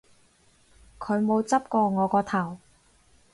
佢冇執過我個頭